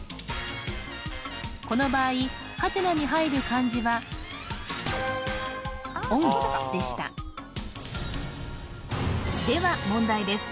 この場合「？」に入る漢字は「音」でしたでは問題です